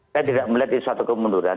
saya tidak melihat itu satu kemungkinan